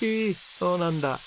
そうなんだ。